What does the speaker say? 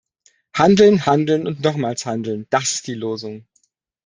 Handeln, Handeln und nochmals Handeln, das ist die Losung.